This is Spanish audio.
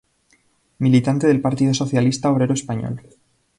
Militante del Partido Socialista Obrero Español.